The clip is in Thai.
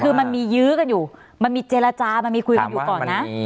คือมันมียื้อกันอยู่มันมีเจรจามันมีคุยกันอยู่ก่อนนะ